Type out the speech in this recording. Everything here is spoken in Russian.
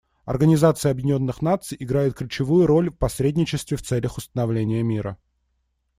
Организация Объединенных Наций играет ключевую роль в посредничестве в целях установления мира.